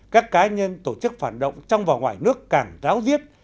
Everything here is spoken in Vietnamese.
các cá nhân tổ chức phản động trong và ngoài nước càng ráo diết